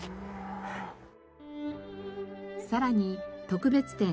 さらに特別展